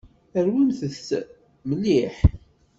Rwimt-t mliḥ.